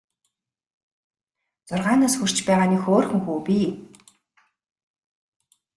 Зургаан нас хүрч байгаа нэг хөөрхөн хүү бий.